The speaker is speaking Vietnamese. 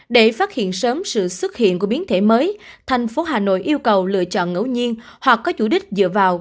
để phát hiện sớm sự xuất hiện của biến thể mới thành phố hà nội yêu cầu lựa chọn ngẫu nhiên hoặc có chủ đích dựa vào